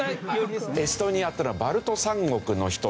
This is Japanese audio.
エストニアっていうのはバルト三国の一つですね。